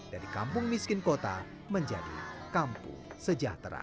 dari kampung miskin kota menjadi kampung sejahtera